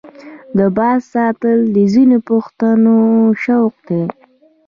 د باز ساتل د ځینو پښتنو شوق دی.